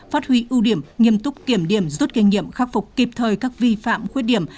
phát huy ưu điểm nghiêm túc kiểm điểm rút kinh nghiệm khắc phục kịp thời các vi phạm khuyết điểm